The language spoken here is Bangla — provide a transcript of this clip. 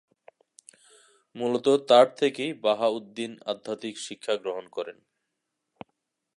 মূলত তার থেকেই বাহা-উদ-দিন আধ্যাত্মিক শিক্ষা গ্রহণ করেন।